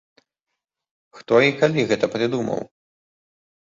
Хто і калі гэта прыдумаў?